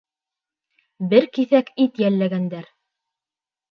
Бер киҫәк ит йәлләгәндәр.